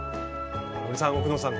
森さん奥野さん